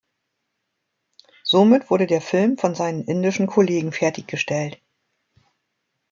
Somit wurde der Film von seinen indischen Kollegen fertiggestellt.